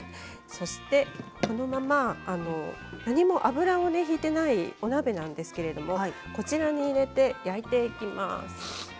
そして、このまま何も油を引いてないお鍋なんですけれどもこちらに入れて焼いていきます。